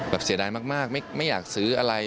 เสียดายมากไม่อยากซื้ออะไร